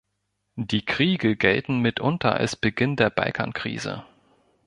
Die Kriege gelten mitunter als Beginn der Balkankrise.